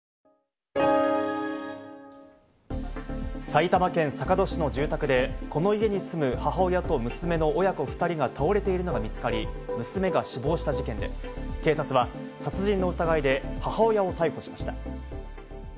埼玉県坂戸市の住宅で、この家に住む母親と娘の親子２人が倒れているのが見つかり、娘が死亡した事件で、警察は殺人の疑いで母親を逮捕しました。